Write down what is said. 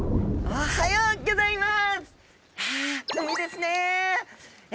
おはようギョざいます。